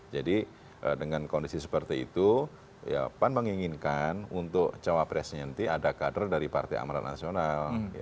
jadi dengan kondisi seperti itu pan menginginkan untuk cawapresnya nanti ada kader dari partai amaran nasional